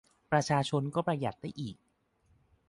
ประชาชนก็ประหยัดได้อีก